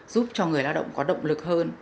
giúp cho người lao động có động lực hơn